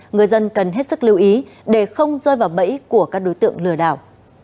người dân cần hết sức lưu ý để không rơi vào bẫy của các đối tượng lừa đảo